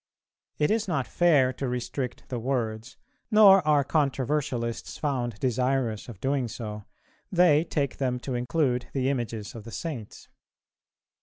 It is not fair to restrict the words, nor are controversialists found desirous of doing so; they take them to include the images of the Saints.